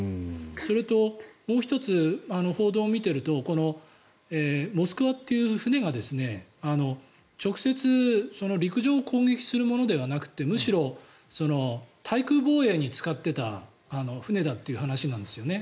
それともう１つ報道を見ていると「モスクワ」という船が直接、陸上を攻撃するものではなくてむしろ対空防衛に使っていた船だという話なんですよね。